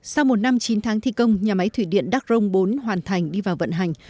sau một năm chín tháng thi công nhà máy thủy điện đắc rông bốn hoàn thành đi vào vận hành